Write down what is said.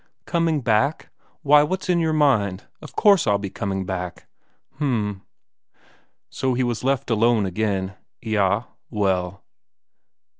"Coming back? Why, what's in your mind? Of course I'll be coming back." "H'm." So he was left alone again eyah, well